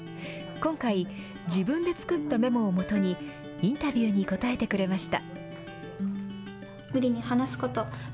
今回、自分で作ったメモを基に、インタビューに答えてくれました。